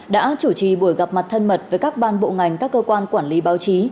đã chủ trì buổi gặp mặt thân mật với các ban bộ ngành các cơ quan quản lý báo chí